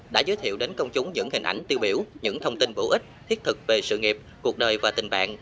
đã giới thiệu đến công chúng những hình ảnh tiêu biểu những thông tin bổ ích thiết thực về sự nghiệp cuộc đời và tình bạn